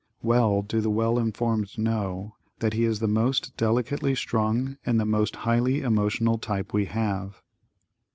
Well do the well informed know that he is the most delicately strung and the most highly emotional type we have.